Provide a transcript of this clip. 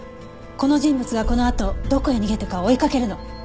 この人物がこのあとどこへ逃げたか追いかけるの。